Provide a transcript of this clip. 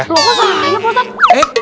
kok sobrang aja pak ustadz